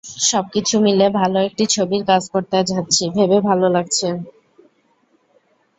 সবকিছু মিলে ভালো একটি ছবির কাজ করতে যাচ্ছি ভেবে ভালো লাগছে।